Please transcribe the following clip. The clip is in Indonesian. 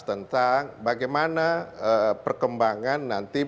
tentang bagaimana perkembangan nanti